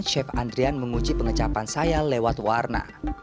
chef andrian menguji pengecapan saya lewat warna